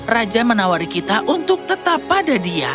raja menawari kita untuk tetap pada dia